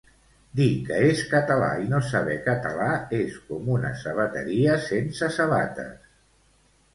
Dir que és català i no saber català és com una sabateria sense sabates